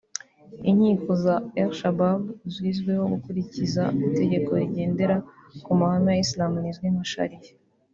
Inkiko za Al Shabaab zizwiho gukurikiza itegeko rigendera ku mahame ya Islam rizwi nka Sharia